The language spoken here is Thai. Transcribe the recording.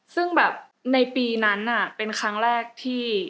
ซึ่งแบบในปีนั้นเป็นครั้งแรกที่